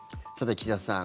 岸田さん